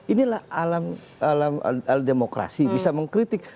inilah alam demokrasi bisa mengkritik